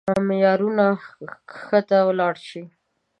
معيارونه کښته ولاړ شي.